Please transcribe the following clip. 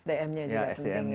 sdm nya juga penting ya